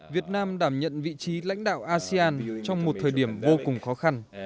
việt nam đảm nhận vị trí lãnh đạo asean trong một thời điểm vô cùng khó khăn